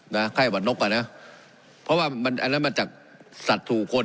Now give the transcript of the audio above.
ไข้หวัดนกอ่ะนะเพราะว่ามันอันนั้นมาจากสัตว์ถูกคน